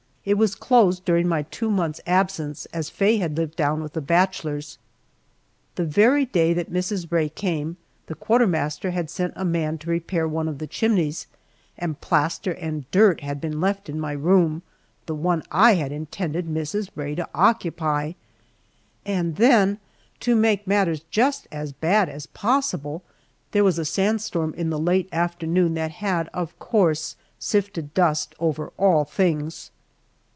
It was closed during my two months' absence, as Faye had lived down with the bachelors. The very day that Mrs. Rae came the quartermaster had sent a man to repair one of the chimneys, and plaster and dirt had been left in my room, the one I had intended Mrs. Rae to occupy. And then, to make matters just as bad as possible, there was a sand storm late in the afternoon that had, of course, sifted dust over all things.